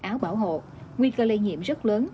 áo bảo hộ nguy cơ lây nhiễm rất lớn